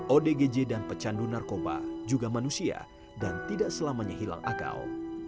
odgj dan pecandu narkoba juga manusia dan tidak selamanya hilang akal